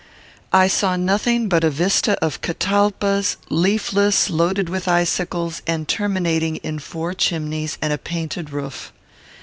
I saw nothing but a vista of catalpas, leafless, loaded with icicles, and terminating in four chimneys and a painted roof.